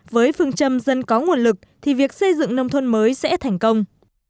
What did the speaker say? với phương châm dân có nguồn lực thì việc xây dựng nông thôn mới sẽ thành công